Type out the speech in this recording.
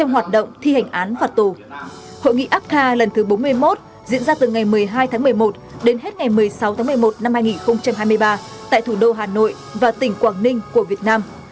hội nghị apca lần thứ bốn mươi một diễn ra từ ngày một mươi hai tháng một mươi một đến hết ngày một mươi sáu tháng một mươi một năm hai nghìn hai mươi ba tại thủ đô hà nội và tỉnh quảng ninh của việt nam